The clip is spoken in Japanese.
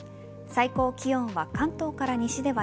最高気温は関東から西では